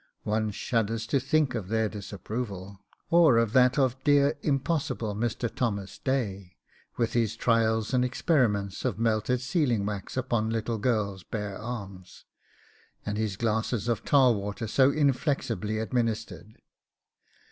One shudders to think of their disapproval, or of that of dear impossible Mr. Thomas Day, with his trials and experiments of melted sealing wax upon little girls' bare arms, and his glasses of tar water so inflexibly administered.